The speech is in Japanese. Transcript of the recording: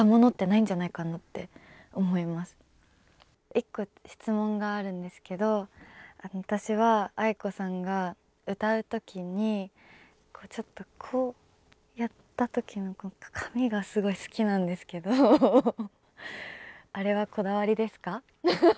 一個質問があるんですけど私はａｉｋｏさんが歌う時にちょっとこうやった時の髪がすごい好きなんですけどあれはこだわりですか？